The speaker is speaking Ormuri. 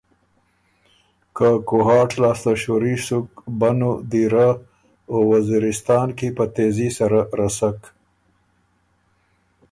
که کوهاټ لاسته شُوري سُک بنوں، دیرۀ او وزیرستان کی په تېزي سره رسک۔